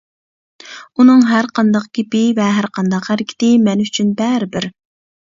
ئۇنىڭ ھەرقانداق گېپى ۋە ھەرقانداق ھەرىكىتى مەن ئۈچۈن بەرىبىر.